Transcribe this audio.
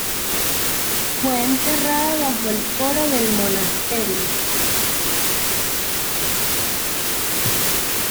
Fue enterrada bajo el coro del monasterio.